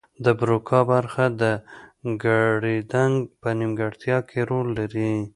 د بروکا برخه د ګړیدنګ په نیمګړتیا کې رول لري